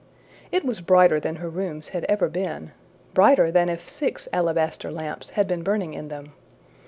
It was brighter than her rooms had ever been brighter than if six alabaster lamps had been burning in them.